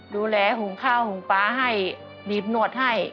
ดูแลหุ่งข้าวหุ่งปลาให้ดีดนวดให้